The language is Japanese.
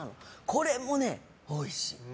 これもおいしい。